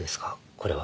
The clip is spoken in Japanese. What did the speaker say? これは。